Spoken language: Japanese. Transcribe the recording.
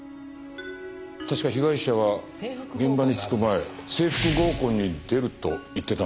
確か被害者は現場に着く前制服合コンに出ると言ってたんだったな。